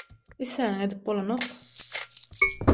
isläniňi edip bolanok